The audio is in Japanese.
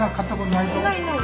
ないない。